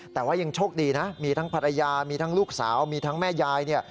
แต่ว่ายังโชคดีนะมีทั้งภรรยามีทั้งลูกสาวมีทั้งแม่ยายเนี่ย